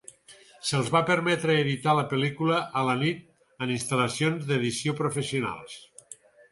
Se'ls va permetre editar la pel·lícula a la nit en instal·lacions d'edició professionals.